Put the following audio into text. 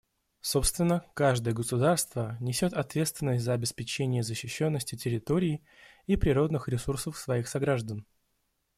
Собственно, каждое государство несет ответственность за обеспечение защищенности территории и природных ресурсов своих сограждан.